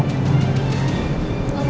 makasih udah jujurnya